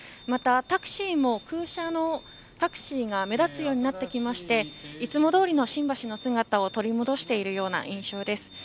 またタクシーも空車が目立つようになってきていつもどおりの新橋の姿を取り戻している印象です。